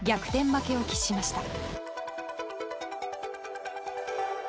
負けを喫しました。